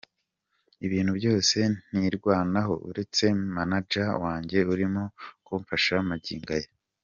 Ibintu byose nirwanaho uretse manager wanjye urimo kumfasha magingo aya.